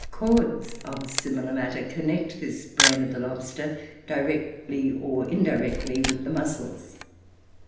Cords of similar matter connect his brain of the lobster, directly or indirectly, with the muscles.